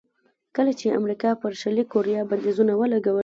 کله چې امریکا پر شلي کوریا بندیزونه ولګول.